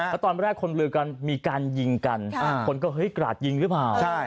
แล้วตอนแรกคนลือกันมีการยิงกันคนก็เฮ้ยกราดยิงหรือเปล่า